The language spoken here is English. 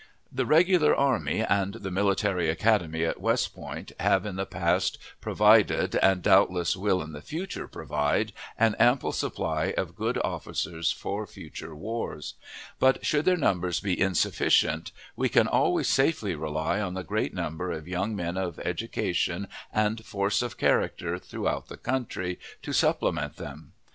The Regular Army and the Military Academy at West Point have in the past provided, and doubtless will in the future provide an ample supply of good officers for future wars; but, should their numbers be insufficient, we can always safely rely on the great number of young men of education and force of character throughout the country, to supplement them.